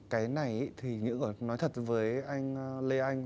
cái này thì nói thật với anh lê anh